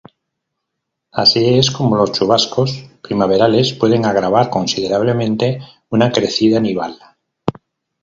Así es como los chubascos primaverales pueden agravar considerablemente una crecida nival.